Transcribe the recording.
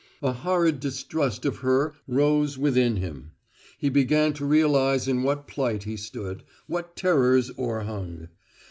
A horrid distrust of her rose within him: he began to realize in what plight he stood, what terrors o'erhung.